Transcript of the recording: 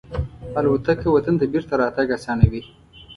الوتکه وطن ته بېرته راتګ آسانوي.